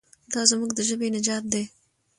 دا زموږ د ژبې نجات دی.